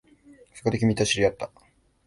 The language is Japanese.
そこで、君と知り合った